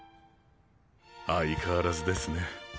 相変わらずですね。